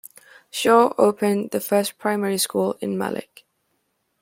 Shaw opened the first primary school in Malek.